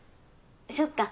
そっか。